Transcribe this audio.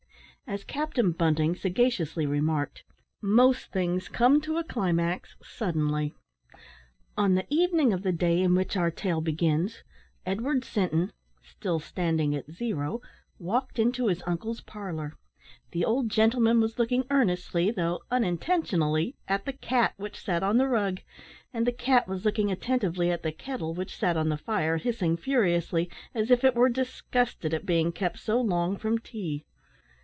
As Captain Bunting sagaciously remarked, "most things come to a climax suddenly." On the evening of the day in which our tale begins, Edward Sinton still standing at zero walked into his uncle's parlour. The old gentleman was looking earnestly, though unintentionally, at the cat, which sat on the rug; and the cat was looking attentively at the kettle, which sat on the fire, hissing furiously, as if it were disgusted at being kept so long from tea.